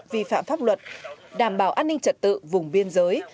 vi phạm pháp luật đảm bảo an ninh trật tự vùng biên giới